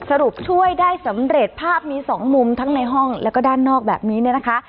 ช่วยได้สำเร็จภาพมีสองมุมทั้งในห้องแล้วก็ด้านนอกแบบนี้เนี่ยนะคะ